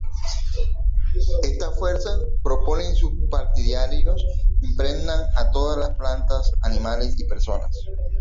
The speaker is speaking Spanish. Esta fuerza, proponen sus partidarios, impregna a todas las plantas, animales y personas.